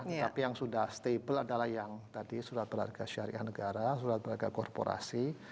tapi yang sudah stable adalah yang tadi surat belarga syariah negara surat belarga korporasi